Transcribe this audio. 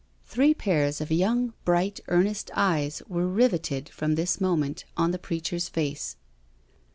Three pairs of young, bright, earnest eyes were riveted from this moment on the preacher's face.